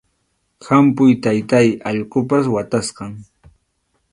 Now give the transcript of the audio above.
¡Hampuy, taytáy, allqupas watasqam!